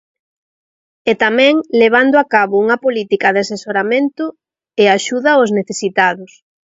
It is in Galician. E, tamén, levando a cabo unha política de asesoramento e axuda aos necesitados.